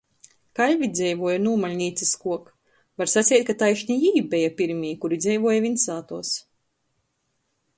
Kaļvi dzeivuoja nūmaļnīcyskuok – var saceit, ka taišni jī beja pyrmī, kuri dzeivuoja vīnsātuos.